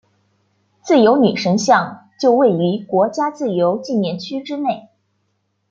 自由女神像就位于国家自由纪念区之内。